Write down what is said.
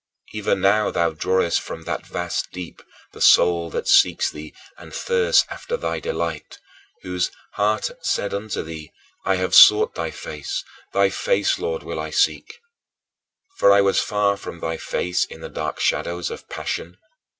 Even now thou drawest from that vast deep the soul that seeks thee and thirsts after thy delight, whose "heart said unto thee, ÔI have sought thy face; thy face, Lord, will I seek.'" For I was far from thy face in the dark shadows of passion.